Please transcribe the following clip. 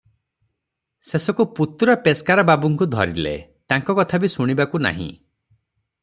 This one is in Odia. ଶେଷକୁ ପୁତୁରା ପେସ୍କାର ବାବୁଙ୍କୁ ଧରିଲେ, ତାଙ୍କ କଥା ବି ଶୁଣିବାକୁ ନାହିଁ ।